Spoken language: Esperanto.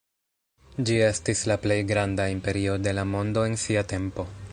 Ĝi estis la plej granda imperio de la mondo en sia tempo.